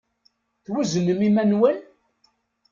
Tweznem iman-nwen?